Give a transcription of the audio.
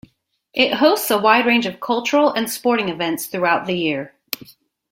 It hosts a wide range of cultural and sporting events throughout the year.